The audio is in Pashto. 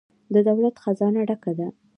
د دولت خزانه ډکه ده؟